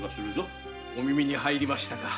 お耳に入りましたか。